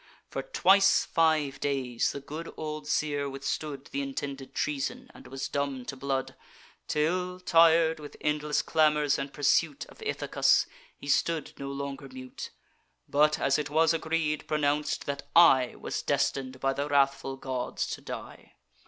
For twice five days the good old seer withstood Th' intended treason, and was dumb to blood, Till, tir'd, with endless clamours and pursuit Of Ithacus, he stood no longer mute; But, as it was agreed, pronounc'd that I Was destin'd by the wrathful gods to die.